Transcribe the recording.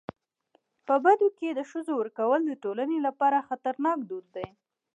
په بدو کي د ښځو ورکول د ټولني لپاره خطرناک دود دی.